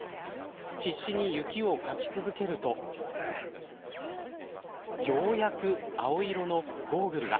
必死に雪をかき続けるとようやく、青色のゴーグルが。